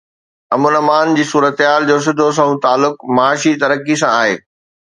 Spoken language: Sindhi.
امن امان جي صورتحال جو سڌو سنئون تعلق معاشي ترقي سان آهي.